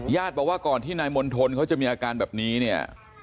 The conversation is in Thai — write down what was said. ญาติบอกว่าก่อนที่นายมนตรนเขาจะมีอาการแบบนี้